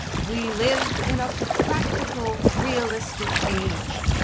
We live in a practical, realistic age.